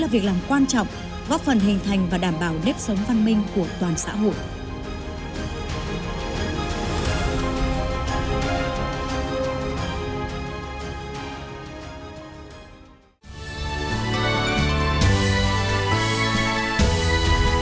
việc làm quan trọng góp phần hình thành và đảm bảo nếp sống văn minh của toàn xã hội